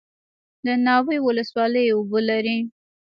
د ناوې ولسوالۍ اوبه لري